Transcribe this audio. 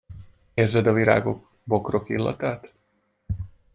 Érzed a virágok, bokrok illatát?